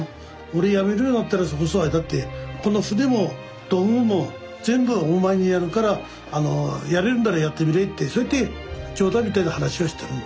俺辞めるようなったらそれこそあれだってこの船も道具も全部お前にやるからやれるんだらやってみれってそうやって冗談みたいな話はしてるの。